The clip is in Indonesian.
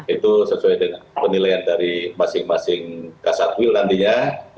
itu sesuai dengan penilaian dari masing masing kasatwil nantinya